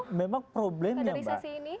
nah memang problemnya mbak